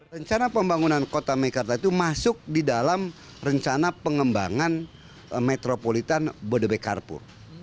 rencana pembangunan kota mekarta itu masuk di dalam rencana pengembangan metropolitan bodebekarpur